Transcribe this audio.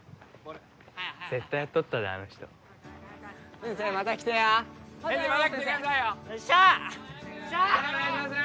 絶対やっとったであの人先生また来てや先生また来てくださいよ・またお願いします